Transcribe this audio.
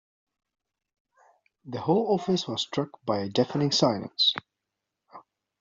The whole office was struck by a deafening silence.